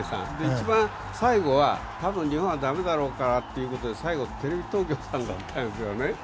一番最後は多分日本は駄目だろうからということで最後はテレビ東京さんだったんですね。